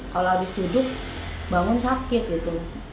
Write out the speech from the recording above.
kalau habis duduk bangun sakit gitu